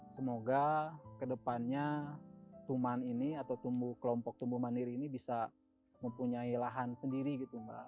semoga kedepannya tuman ini atau kelompok tumbuh mandiri ini bisa mempunyai lahan sendiri gitu mbak